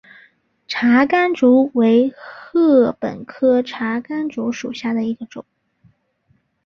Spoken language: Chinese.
茶竿竹为禾本科茶秆竹属下的一个种。